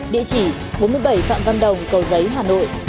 địa chỉ bốn mươi bảy phạm văn đồng cầu giấy hà nội